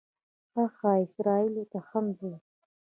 ښه ښه، اسرائیلو ته هم ځې.